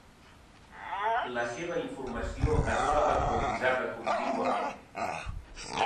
La seva informació es troba actualitzada contínuament.